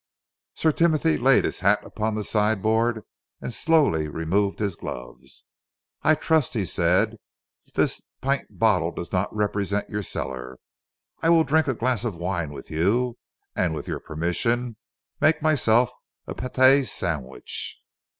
Sir Timothy laid his hat upon the sideboard and slowly removed his gloves. "I trust," he said, "that this pint bottle does not represent your cellar. I will drink a glass of wine with you, and with your permission make myself a pâté sandwich.